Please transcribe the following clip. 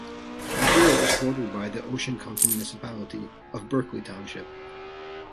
The borough is bordered by the Ocean County municipality of Berkeley Township.